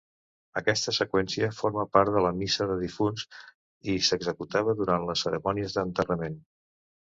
Aquesta seqüència forma part de la Missa de difunts i s'executava durant les cerimònies d'enterrament.